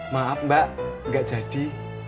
maaf mbak gak jadi